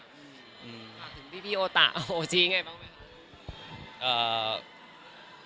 ถามถึงพี่โอตะโอจีไงบ้าง